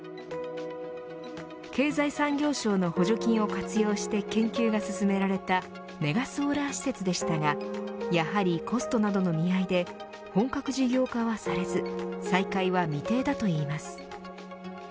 経済産業省の補助金を活用して研究が進められたメガソーラー施設でしたがやはりコストなどの見合いで本格事業化はされず再開は未定だといいます。